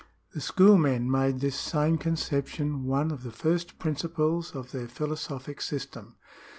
^ The schoolmen made this same conception one ol the first principles of their philosophic system.